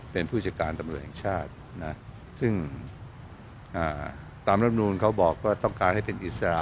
เป็นผู้จัดการตำรวจแห่งชาตินะซึ่งตามรับนูลเขาบอกว่าต้องการให้เป็นอิสระ